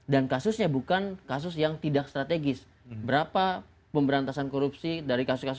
dan kasusnya bukan kasus yang tidak strategis berapa pemberantasan korupsi dari kasus kasus